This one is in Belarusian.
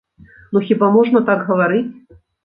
Ну хіба можна так гаварыць?!